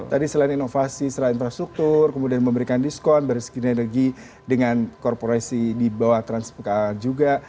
tadi selain inovasi selain infrastruktur kemudian memberikan diskon bersegini lagi dengan korporasi di bawah transmart juga